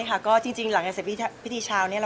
หลังจากสมบัติพิธีเชาร์